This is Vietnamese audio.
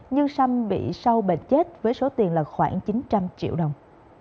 nhưng xăm bị sau bệnh chết với số tiền khoảng chín trăm linh triệu đồng